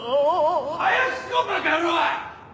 早くしろ馬鹿野郎！